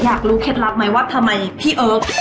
อยากรู้เคล็ดลับไหมว่าทำไมพี่เอิ๊ก